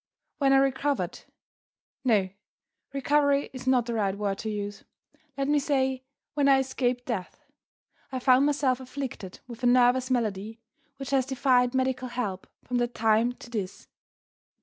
When I recovered no! 'Recovery' is not the right word to use let me say, when I escaped death, I found myself afflicted by a nervous malady which has defied medical help from that time to this.